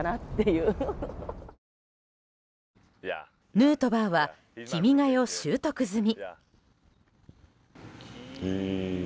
ヌートバーは「君が代」習得済み。